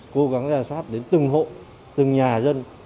cố gắng giả soát đến từng hộ từng nhà dân